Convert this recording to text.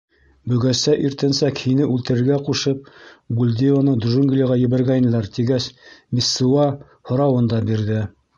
— Бөгәсә иртәнсәк һине үлтерергә ҡушып, Бульдеоны джунглиға ебәргәйнеләр, — тигәс, Мессуа һорауын да бирҙе.